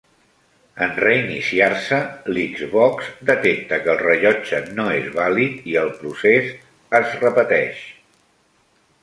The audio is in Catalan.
En reiniciar-se, l'Xbox detecta que el rellotge no és vàlid i el procés es repeteix.